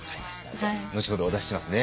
じゃあ後ほどお出ししますね。